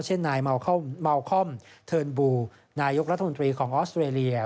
เช่นนายเมาคอมเทิร์นบูนายกรัฐมนตรีของออสเตรเลีย